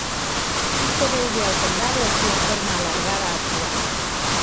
Isto deulle ao condado a súa forma alargada actual.